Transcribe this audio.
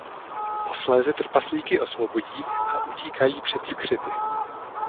Posléze trpaslíky osvobodí a utíkají před skřety.